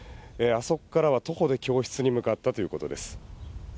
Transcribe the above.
あそこからは徒歩で教室に向かったということです。